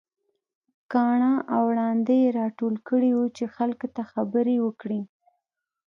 کاڼه او ړانده يې راټول کړي وو چې خلک ته خبرې وکړي.